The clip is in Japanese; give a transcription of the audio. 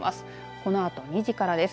このあと２時からです。